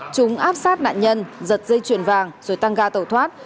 chúng áp sát nạn nhân giật dây chuyền vàng rồi tăng ga tẩu thoát